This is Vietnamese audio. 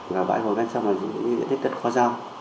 và vải hồ bên trong là dưới đất kho giao